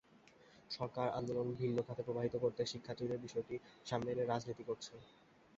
সরকার আন্দোলন ভিন্ন খাতে প্রবাহিত করতে শিক্ষার্থীদের বিষয়টি সামনে এনে রাজনীতি করছে।